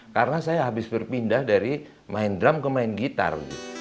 karena saya habis berpindah dari main drum ke main gitar